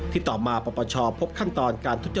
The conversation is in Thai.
ที่ต่อมาประชาภพบขั้นตอนการทุจริต